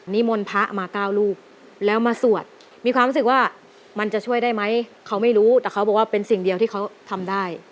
มนต์พระมาเก้าลูกแล้วมาสวดมีความรู้สึกว่ามันจะช่วยได้ไหมเขาไม่รู้แต่เขาบอกว่าเป็นสิ่งเดียวที่เขาทำได้